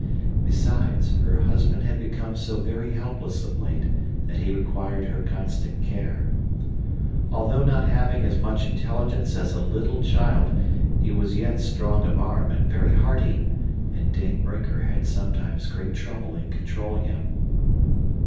Besides, her husband had become so very helpless of late that he required her constant care. Although not having as much intelligence as a little child, he was yet strong of arm and very hearty, and Dame Brinker had sometimes great trouble in controlling him.